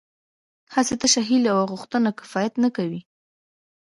هسې تشه هیله او غوښتنه کفایت نه کوي